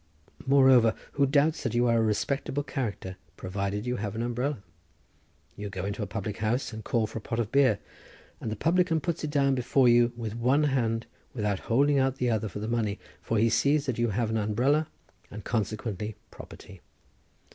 Moreover, who doubts that you are a respectable character provided you have an umbrella? you go into a public house and call for a pot of beer, and the publican puts it down before you with one hand without holding out the other for the money, for he sees that you have an umbrella and consequently property.